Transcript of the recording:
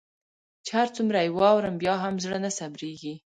چي هر څومره يي واورم بيا هم زړه نه صبریږي